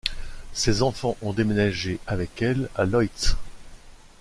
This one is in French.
Ses enfants ont déménagé avec elle à Loitz.